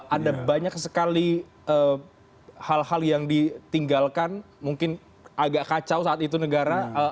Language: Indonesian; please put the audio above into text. ada banyak sekali hal hal yang ditinggalkan mungkin agak kacau saat itu negara